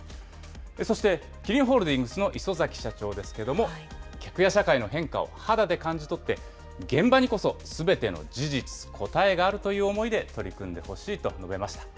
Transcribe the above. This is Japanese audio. そして、キリンホールディングスの磯崎社長ですけれども、客や社会の変化を肌で感じ取って、現場にこそすべての事実、答えがあるという思いで取り組んでほしいと述べました。